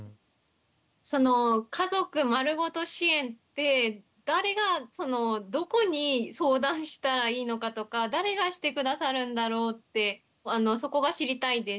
その「家族まるごと支援」って誰がそのどこに相談したらいいのかとか誰がして下さるんだろうってそこが知りたいです。